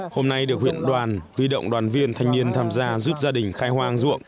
hôm nay được huyện đoàn huy động đoàn viên thanh niên tham gia giúp gia đình khai hoang ruộng